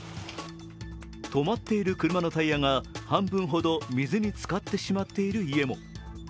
止まっている車のタイヤが半分ほど水につかってしまっている家も。